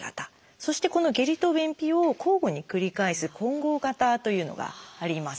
そしてこの下痢と便秘を交互に繰り返す「混合型」というのがあります。